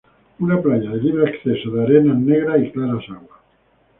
Una playa de libre acceso de arenas negras y claras aguas.